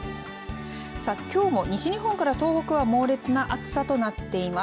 きょうも西日本から東北は猛烈な暑さとなっています。